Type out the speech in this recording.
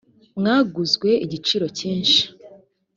mwaguzwe igiciro cyinshi